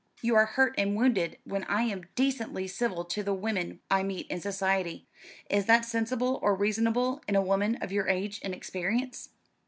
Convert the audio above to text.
You are hurt and wounded when I am decently civil to the women I meet in society. Is that sensible or reasonable, in a woman of your age and experience?"